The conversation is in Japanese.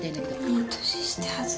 いい年して恥ず。